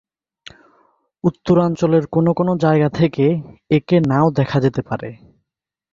উত্তরাঞ্চলের কোন কোন জায়গা থেকে একে নাও দেখা যেতে পারে।